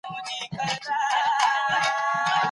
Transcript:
که لابراتواري تجربه ترسره سي، علم نه هېرېږي.